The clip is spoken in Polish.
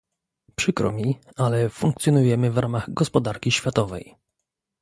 Przykro mi, ale funkcjonujemy w ramach gospodarki światowej